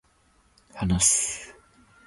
話す、